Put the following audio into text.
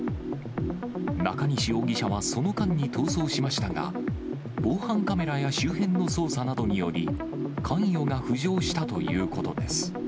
中西容疑者はその間に逃走しましたが、防犯カメラや周辺の捜査などにより、関与が浮上したということです。